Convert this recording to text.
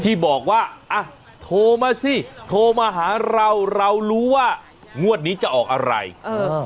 ที่บอกว่าอ่ะโทรมาสิโทรมาหาเราเรารู้ว่างวดนี้จะออกอะไรเออ